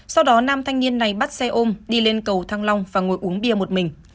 sau đó nam thanh niên này bắt xe ôm đi lên cầu thăng long và ngồi uống bia một mình